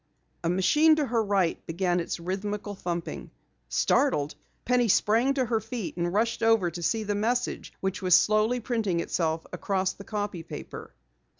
A machine to her right began its rhythmical thumping. Startled, Penny sprang to her feet and rushed over to see the message which was slowly printing itself across the copy paper.